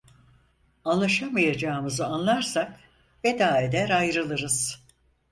Anlaşamayacağımızı anlarsak veda eder ayrılırız…